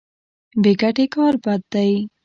بې ګټې کار بد دی.